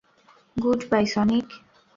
Good bye, Sonic.